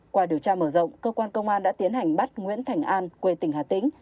qua điều tra mở rộng cơ quan công an đã tiến hành bắt nguyễn thành an quê tỉnh hà tĩnh